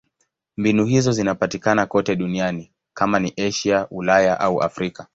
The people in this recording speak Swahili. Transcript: Mbinu hizo zinapatikana kote duniani: kama ni Asia, Ulaya au Afrika.